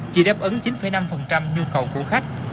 chỉ đáp ứng chín năm nhu cầu của khách